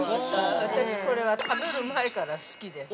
◆私、これは食べる前から好きです。